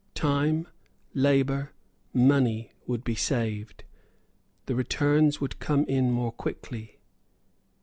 Time, labour, money, would be saved. The returns would come in more quickly.